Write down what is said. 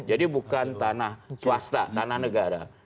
jadi bukan tanah swasta tanah negara